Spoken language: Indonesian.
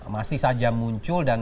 masih saja muncul dan